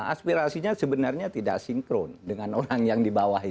aspirasinya sebenarnya tidak sinkron dengan orang yang di bawah itu